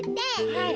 はい。